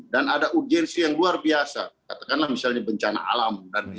dan ada urgensi yang luar biasa katakanlah misalnya bencana alam